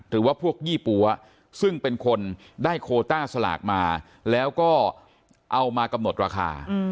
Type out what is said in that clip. หรือว่าพวกยี่ปั๊วซึ่งเป็นคนได้โคต้าสลากมาแล้วก็เอามากำหนดราคา